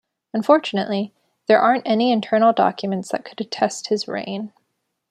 Unfortunately, there aren't any internal documents that could attest his reign.